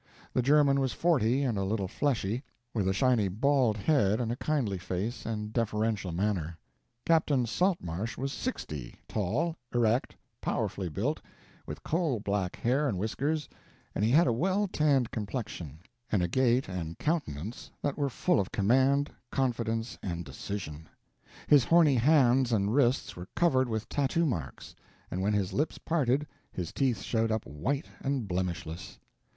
The German was forty and a little fleshy, with a shiny bald head and a kindly face and deferential manner. Capt. Saltmarsh was sixty, tall, erect, powerfully built, with coal black hair and whiskers, and he had a well tanned complexion, and a gait and countenance that were full of command, confidence and decision. His horny hands and wrists were covered with tattoo marks, and when his lips parted, his teeth showed up white and blemishless.